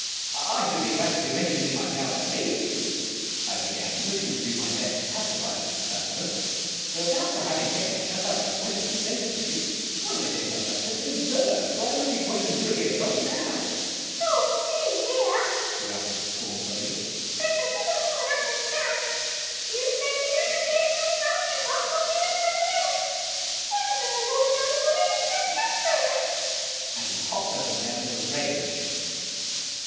" I should be glad to do anything in my power to aid you," I began, wishing to do my best to pacify the little fellow; "but as for having kept you shut up for twenty centuries, why, my dear fellow, that 's simply absurd, for I am only twenty three years old now !" "Oh, see here," he answered scornfully, "that 's a little more than I can stand ! You 've played the innocent game long enough ; you can't fool me that way again. Why, I suppose you will deny that your name is Trancastro, next ?" and he hopped up and down in a rage.